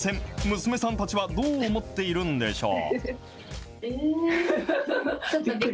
娘さんたちはどう思ってるんでしょう。